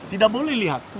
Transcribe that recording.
tidak boleh lihat